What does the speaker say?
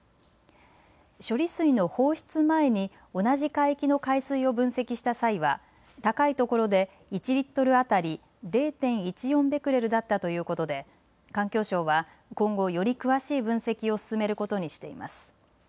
処理水の放出前に同じ海域の海水を分析した際は高いところで１リットル当たり０．１４ベクレルだったということで環境省は今後、より詳しい分析を進めることにしています。